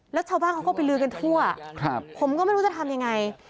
แล้วชาวบ้านเขาก็ไปลือกันทั่วผมก็ไม่รู้จะทำยังไง